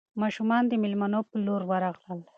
ماشومان د مېلمنو په لور ورغلل.